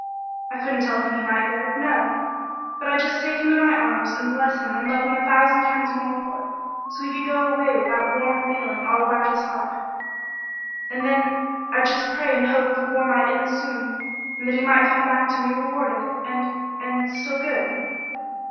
I couldn't tell him he might go, no, but I'd just take him in my arms and bless him and love him a thousand times more for it, so he could go away with that warm feeling all about his heart; and then I'd just pray and hope the war might end soon and that he might come back to me rewarded, and and still good."